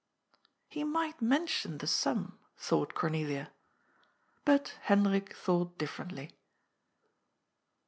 '^ He might mention the sum," thought Cornelia. But Hendrik thought differently.